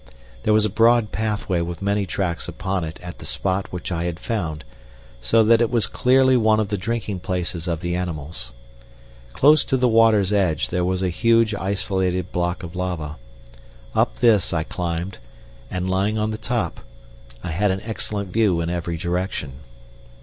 There was a broad pathway with many tracks upon it at the spot which I had found, so that it was clearly one of the drinking places of the animals. Close to the water's edge there was a huge isolated block of lava. Up this I climbed, and, lying on the top, I had an excellent view in every direction.